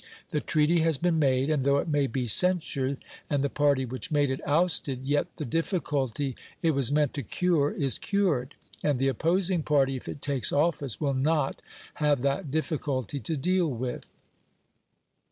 The treaty has been made, and though it may be censured, and the party which made it ousted, yet the difficulty it was meant to cure is cured, and the opposing party, if it takes office, will not have that difficulty to deal with.